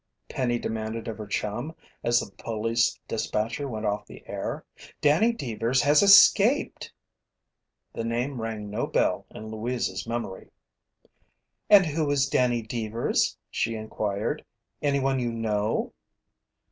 Penny demanded of her chum as the police dispatcher went off the air. "Danny Deevers has escaped!" The name rang no bell in Louise's memory. "And who is Danny Deevers?" she inquired. "Anyone you know?"